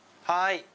はい。